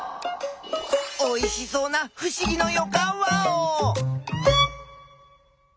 おいしそうなふしぎのよかんワオ！